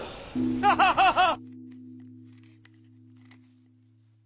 ハハハハッ！